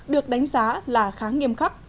được đánh giá là khá nghiêm khắc